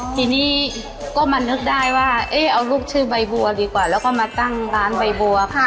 ทีนี้ก็มานึกได้ว่าเอาลูกชื่อใบบัวดีกว่าแล้วก็มาตั้งร้านใบบัว